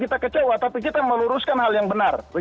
kita kecewa tapi kita meluruskan hal yang benar